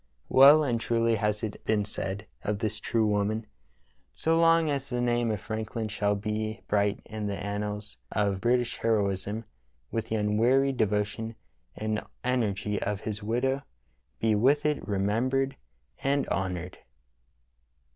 Well and truly has it been said of this true woman: So long as the name of Franklin shall be bright in the annals of British heroism will the unwearied devotion and energy of his widow be with it remembered and honored."